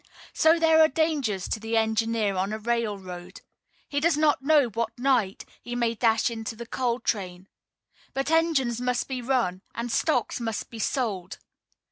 So there are dangers to the engineer on a railroad. He does not know what night he may dash into the coal train. But engines must be run, and stocks must be sold.